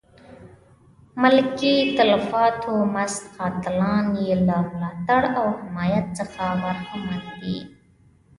ملکي تلفاتو مست قاتلان یې له ملاتړ او حمایت څخه برخمن دي.